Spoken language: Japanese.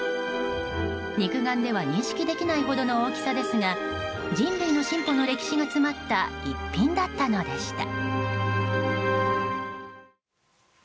肉眼では認識できないほどの大きさですが人類の進歩の歴史が詰まった逸品だったのでした。